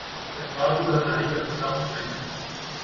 کرتارپور راہداری کا افتتاح خوش آئند